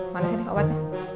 mana sih obatnya